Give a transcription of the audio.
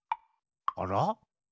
あら？